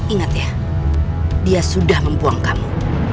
ingat ya dia sudah membuang kamu